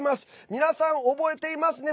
皆さん、覚えていますね。